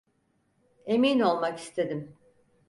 Emin olmak istedim.